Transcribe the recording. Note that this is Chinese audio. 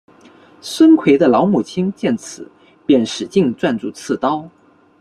孙奎的老母亲见此便使劲攥住刺刀。